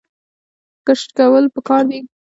ګذشت کول پکار دي